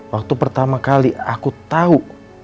waktu pertama kali aku tahu